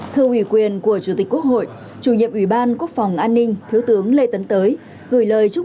thưa ủy quyền của chủ tịch quốc hội chủ nhiệm ủy ban quốc phòng an ninh thiếu tướng lê tấn tới